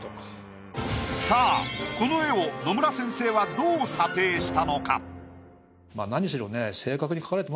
さあこの絵を野村先生はどう査定したのか？